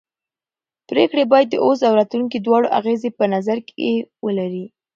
پرېکړې باید د اوس او راتلونکي دواړو اغېزې په نظر کې ولري